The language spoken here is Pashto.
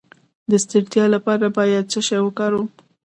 د ستړیا لپاره باید څه شی وکاروم؟